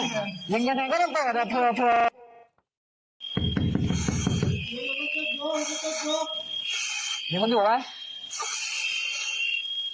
ยังไงก็ต้องเปิดแต่เพลิน